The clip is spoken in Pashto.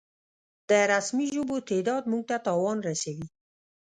د رسمي ژبو تعداد مونږ ته تاوان رسوي